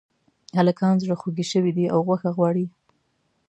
هلکان زړخوږي شوي دي او غوښه غواړي